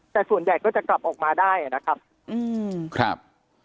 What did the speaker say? แต่ส่วนใหญ่ก็จะกลับออกมาได้นะครับ